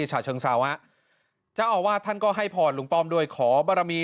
ฉะเชิงเซาฮะเจ้าอาวาสท่านก็ให้พรลุงป้อมด้วยขอบรมี